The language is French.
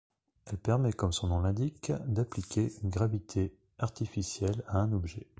Elle permet comme son nom l'indique d'appliquer une gravité artificielle à un objet.